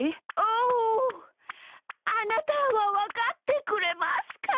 おおあなたはわかってくれますか？